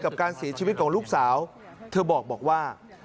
กับการเสียชีวิตของลูกสาวเธอบอกว่า